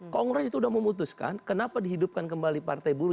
kongres itu sudah memutuskan kenapa dihidupkan kembali partai buruh